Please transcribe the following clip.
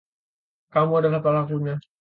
Kamu adalah pelakunya.